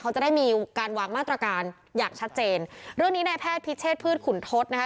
เขาจะได้มีการวางมาตรการอย่างชัดเจนเรื่องนี้ในแพทย์พิเชษพืชขุนทศนะคะ